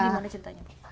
itu gimana ceritanya bu